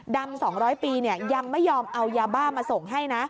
๒๐๐ปียังไม่ยอมเอายาบ้ามาส่งให้นะ